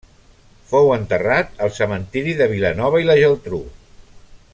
Fou enterrat al cementiri de Vilanova i la Geltrú.